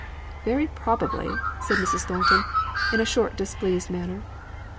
"Very probably," said Mrs. Thornton, in a short displeased manner.